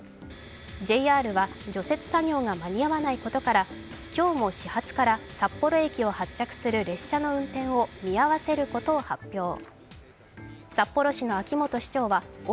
ＪＲは除雪作業が間に合わないことから今日も始発から札幌駅を発着する列車の運転を見合わせることを発表。